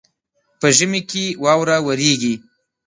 په ژمي کي واوره وريږي.